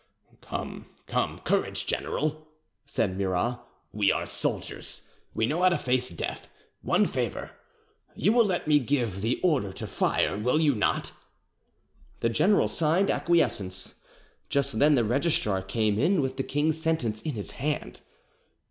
] "Come, come, courage, general," said Murat; "we are soldiers, we know how to face death. One favour—you will let me give the order to fire, will you not?" The general signed acquiescence: just then the registrar came in with the king's sentence in his hand.